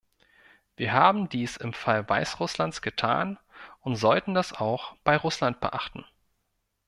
Wir haben dies im Fall Weißrusslands getan und sollten das auch bei Russland beachten.